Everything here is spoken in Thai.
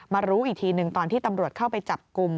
รู้อีกทีหนึ่งตอนที่ตำรวจเข้าไปจับกลุ่ม